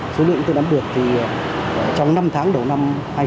số lượng chúng tôi nắm được thì trong năm tháng đầu năm hai nghìn hai mươi hai